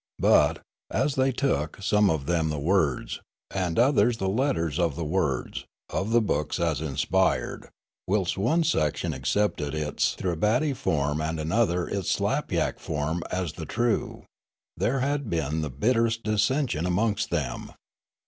But, as they took, some of them the words, and others the letters of the words, of the book as inspired, whilst one section ac cepted its Thribbaty form and another its Slapyak form as the true, there had been the bitterest dissension amongst them.